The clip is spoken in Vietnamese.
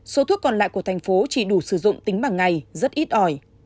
số thuốc còn lại của thành phố chỉ đủ sử dụng tính bằng ngày rất ít ỏi